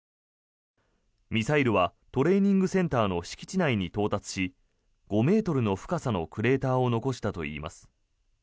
ミサイルはトレーニングセンターの敷地内に到達し５ｍの深さのクレーターを残したといいます。